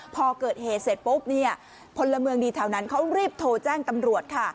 พอเกิดเหตุเสร็จปุ๊บเนี่ยพลเมืองดีแถวนั้นเขารีบโทรแจ้งตำรวจค่ะ